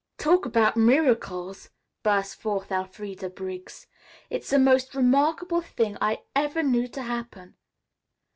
"Talk about miracles!" burst forth Elfreda Briggs. "It's the most remarkable thing I ever knew to happen."